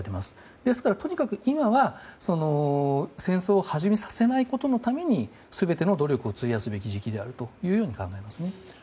ですからとにかく今は戦争を始めさせないことのために全ての努力を費やす時期であると考えますね。